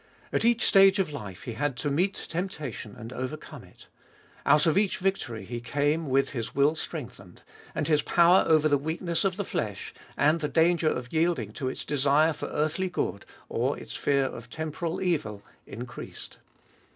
At each stage of life He had to meet temptation, and overcome it; out of each victory He came with His will strengthened, and His power over the weak ness of the flesh, and the danger of yielding to its desire for earthly good, or its fear of temporal evil, increased.